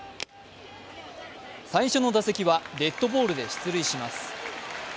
最初の打席はデッドボールで出塁します。